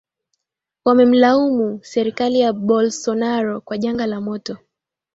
wamemlaumu serikali ya Bolsonaro kwa janga la moto